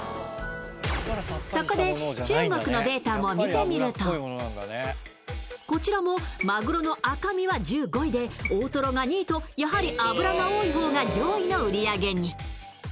そこで中国のデータも見てみると、こちらもまぐろの赤身は１位で大とろが２位とやはり脂が多い方が上位の売り上げに。